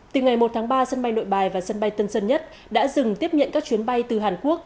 từ ngày một tháng ba sân bay nội bài và sân bay tân sơn nhất đã dừng tiếp nhận các chuyến bay từ hàn quốc